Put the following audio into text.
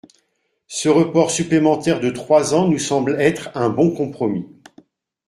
Ce report supplémentaire de trois ans nous semble être un bon compromis.